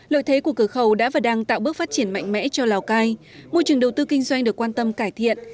lợi thế của cửa khẩu đã và đang tạo bước phát triển mạnh mẽ cho lào cai môi trường đầu tư kinh doanh được quan tâm cải thiện